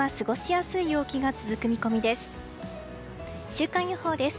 週間予報です。